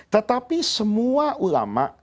tetapi semua ulama